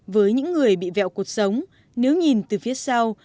với những người bị vẹo cuộc sống nếu nhìn từ phía sau